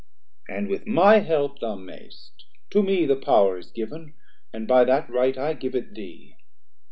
And with my help thou may'st; to me the power Is given, and by that right I give it thee.